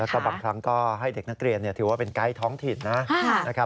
แล้วก็บางครั้งก็ให้เด็กนักเรียนถือว่าเป็นไกด์ท้องถิ่นนะครับ